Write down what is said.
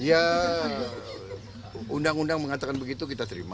ya undang undang mengatakan begitu kita terima